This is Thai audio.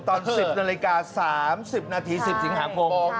ตอนสิบนาฬิกาสามสิบนาทีสิบถึงหาโครง